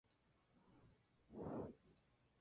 Se mudó a La Coruña para hacer estudios de náutica.